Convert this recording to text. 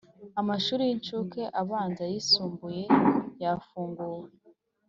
amashuri y incuke abanza ayisumbuye yafunguwe